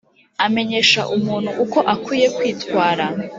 amenyesha umuntu uko akwiye kwitwara